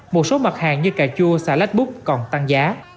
một số mặt hàng như cà chua xà lách bút còn tăng giá